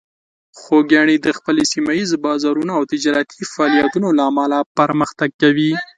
خوږیاڼي د خپل سیمه ییز بازارونو او تجارتي فعالیتونو له امله پرمختګ کړی.